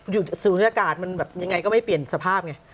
ศูนยากาศมันแบบยังไงก็ไม่เปลี่ยนสภาพไง